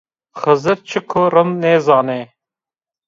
Xizir çik o, rind nêzanê